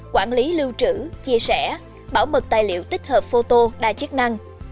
quản lý lưu trữ chia sẻ bảo mật tài liệu tích hợp photo đa chức năng